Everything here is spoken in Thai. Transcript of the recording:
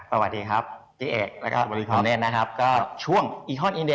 อ่าสวัสดีครับพี่เอกแล้วก็สวัสดีครับสวัสดีครับสวัสดีครับสวัสดีครับ